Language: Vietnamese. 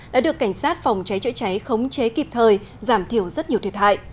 đã được cảnh sát phòng cháy chữa cháy khống chế kịp thời giảm thiểu rất nhiều thiệt hại